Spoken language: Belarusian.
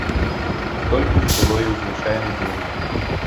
Столькі ж было і ў звычайны дзень.